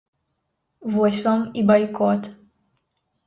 Вось вам і байкот.